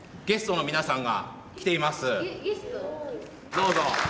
どうぞ。